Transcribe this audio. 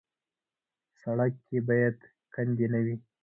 سړک کې باید کندې نه وي.